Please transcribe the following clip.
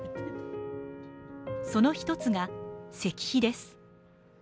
その一つが、石碑です。